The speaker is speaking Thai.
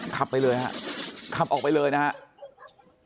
ขับไปเลยฮะขับออกไปเลยนะครับ